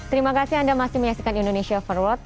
terima kasih anda masih menyaksikan indonesia forward